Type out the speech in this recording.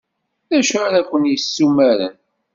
D acu ara ken-yessumaren?